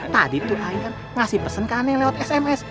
tadi itu ayam ngasih pesen ke ane lewat sms